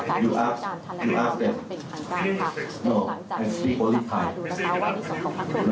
เราพูดอยู่ที่ใคร